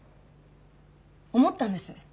思ったんです。